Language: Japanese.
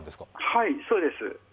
はい、そうです。